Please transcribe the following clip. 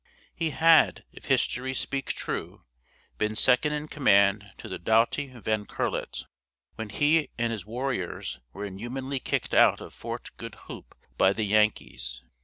He had, if histories speak true, been second in command to the doughty Van Curlet, when he and his warriors were inhumanly kicked out of Fort Goed Hoop by the Yankees.